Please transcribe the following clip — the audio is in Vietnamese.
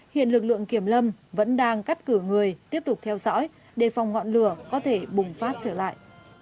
hiện lực lượng kiểm lâm vẫn đang cắt cử người tiếp tục theo dõi đề phòng ngọn lửa có thể bùng phát trở lại